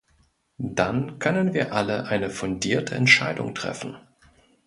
Dann können wir alle eine fundierte Entscheidung treffen.